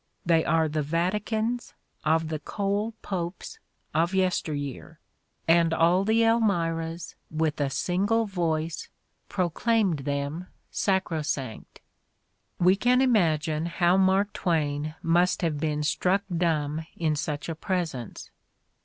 They are the Vaticans of the coal popes of yesteryear, and all the Elmiras with a single voice pro claimed them sacrosanct. We can imagine how Mark Twain must have been struck dumb in such a presence.